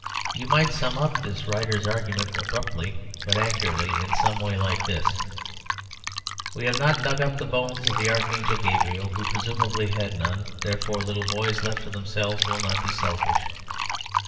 You might sum up this writer's argument abruptly, but accurately, in some way like this "We have not dug up the bones of the Archangel Gabriel, who presumably had none, therefore little boys, left to themselves, will not be selfish."